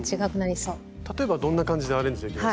例えばどんな感じでアレンジできますかね？